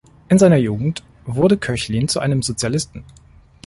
In seiner Jugend wurde Koechlin zu einem Sozialisten.